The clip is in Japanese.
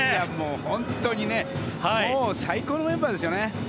本当にね最高のメンバーですよね。